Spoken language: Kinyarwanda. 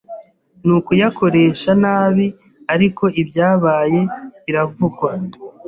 nukuyakoresha nabi ariko ibyabaye biravugwa